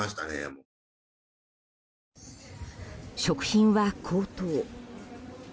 食品は高騰。